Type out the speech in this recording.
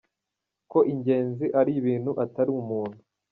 Ko ingenzi ari ibintu atari umuntu